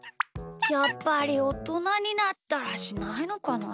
やっぱりおとなになったらしないのかな？